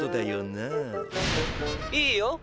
・いいよ。